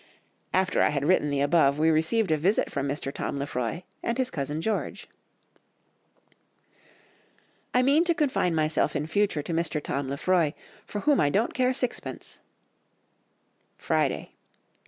After I had written the above we received a visit from Mr. Tom Lefroy and his cousin George." "I mean to confine myself in future to Mr. Tom Lefroy, for whom I don't care sixpence."... _Friday.